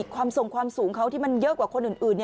ความส่งความสูงเขาที่มันเยอะกว่าคนอื่น